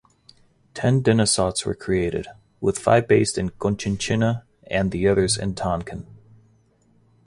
Ten Dinassauts were created, with five based in Cochinchina and the others in Tonkin.